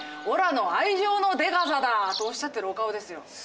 おらの愛情のでかさだ」とおっしゃってるお顔ですよ。